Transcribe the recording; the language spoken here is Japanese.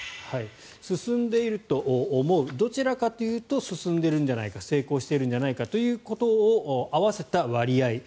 進んでいると思うどちらかというと進んでいるんじゃないか成功しているんじゃないかということを合わせた割合。